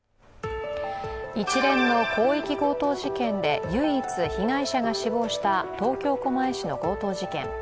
一連の広域強盗事件で唯一被害者が死亡した東京・狛江市の強盗事件。